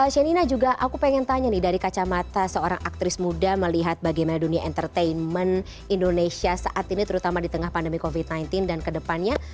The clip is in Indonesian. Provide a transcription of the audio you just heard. shenina juga aku pengen tanya nih dari kacamata seorang aktris muda melihat bagaimana dunia entertainment indonesia saat ini terutama di tengah pandemi covid sembilan belas dan kedepannya